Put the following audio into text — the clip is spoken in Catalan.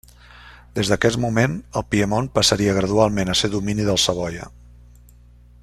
Des d'aquest moment el Piemont passaria gradualment a ser domini dels Savoia.